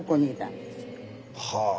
はあ。